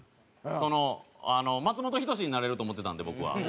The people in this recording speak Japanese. その松本人志になれると思ってたんで僕は。